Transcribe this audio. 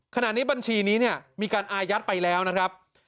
ขณะนี้บัญชีนี้เนี่ยมีการอายัดไปแล้วนะครับ